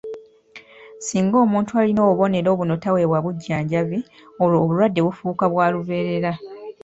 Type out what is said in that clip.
Singa omuntu alina obubonero buno taweebwa bujjanjabi, olwo obulwadde buno bufuuka bwa lubeerera